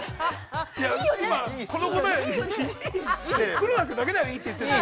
◆黒田君だけだよいいって言ってるの。